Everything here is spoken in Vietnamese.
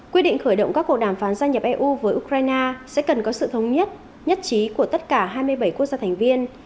quyết định khởi động các cuộc đàm phán gia nhập eu với ukraine sẽ cần có sự thống nhất nhất trí của tất cả hai mươi bảy quốc gia thành viên